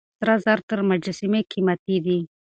سره زر تر مجسمې قيمتي دي.